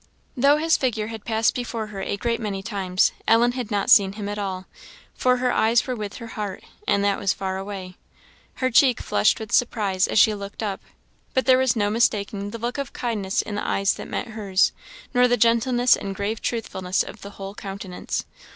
Though his figure had passed before her a great many times Ellen had not seen him at all; for "her eyes were with her heart, and that was far away." Her cheek flushed with surprise as she looked up. But there was no mistaking the look of kindness in the eyes that met hers, nor the gentleness and grave truthfulness of the whole countenance.